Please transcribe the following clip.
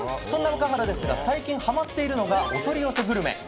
そんな若原ですが最近はまっているのがお取り寄せグルメ。